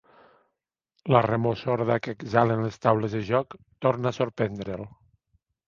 La remor sorda que exhalen les taules de joc torna a sorprendre'l.